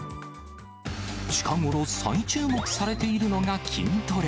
近頃再注目されているのが筋トレ。